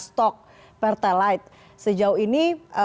stok pertalite sejauh ini